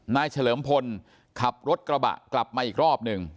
เฉลิมพลขับรถกระบะกลับมาอีกรอบหนึ่ง